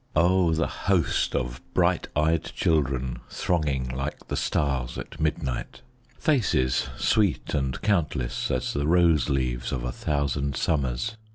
Oh, the host of bright eyed children, Thronging like the stars at midnight, Faces sweet and countless, as the Rose leaves of a thousand summers.